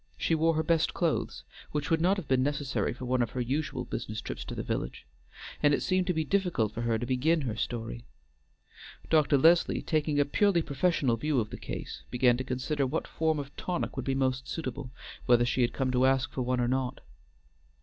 She wore her best clothes, which would not have been necessary for one of her usual business trips to the village, and it seemed to be difficult for her to begin her story. Dr. Leslie, taking a purely professional view of the case, began to consider what form of tonic would be most suitable, whether she had come to ask for one or not.